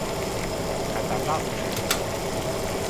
Κατά λάθος έγινε.